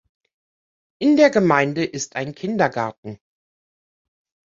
In der Gemeinde ist ein Kindergarten.